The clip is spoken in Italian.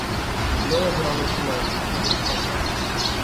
Il nome però non fu mai effettivamente cambiato.